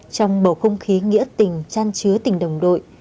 trong bầu không khí nghĩa tình chan chứa tình đồng đội